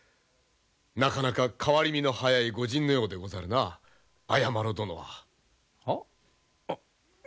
なかなか変わり身の早い御仁のようでござるな綾麿殿は。は？あうん。